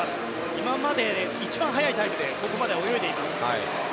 今までで一番速いタイムでここまでは泳いでいます。